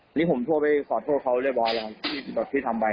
อันนี้ผมทั่วไปขอโทษเขาเลยบ้างที่ทำวาย